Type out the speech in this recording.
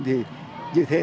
thì như thế